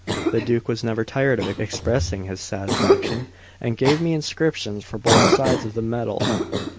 The Duke was never tired of expressing his satisfaction, and gave me inscriptions for both sides of the medal.